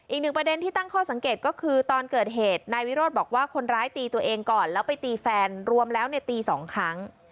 อีกหนึ่งประเด็นที่ตั้งข้อสังเกตก็คือตอนเกิดเหตุนายวิโรธบอกว่าคนร้ายตีตัวเองก่อนแล้วไปตีแฟนรวมแล้วเนี่ยตี๒ครั้ง